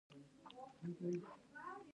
چینايي غالۍ هم ښه بازار لري.